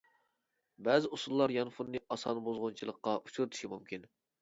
بەزى ئۇسۇللار يانفوننى ئاسان بۇزغۇنچىلىققا ئۇچرىتىشى مۇمكىن.